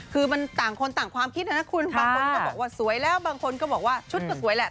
คือมันต่างคนต่างความคิดนะนะคุณบางคนก็บอกว่าสวยแล้วบางคนก็บอกว่าชุดก็สวยแหละ